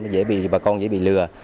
dễ bị bà con dễ bị lừa